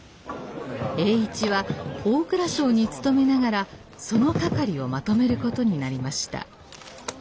栄一は大蔵省に勤めながらその掛をまとめることになりました。